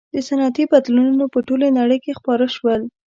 • صنعتي بدلونونه په ټولې نړۍ کې خپاره شول.